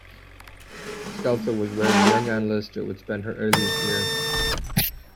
Skelfler was where the young Anne Lister would spend her earliest years.